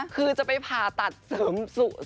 คือจะไปผ่าตัดเสริมส่วนสูง